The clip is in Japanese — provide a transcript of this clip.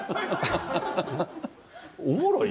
おもろい？